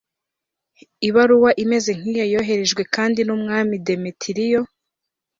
ibaruwa imeze nk'iyo yohererejwe kandi n'umwami demetiriyo